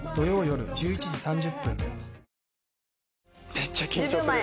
めっちゃ緊張する。